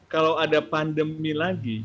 kalau ada pandemi lagi